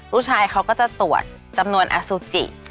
ผู้ชายเขาก็จะตรวจจำนวนอสุจิ